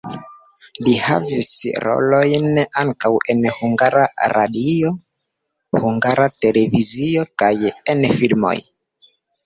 Li havis rolojn ankaŭ en Hungara Radio, Hungara Televizio kaj en filmoj.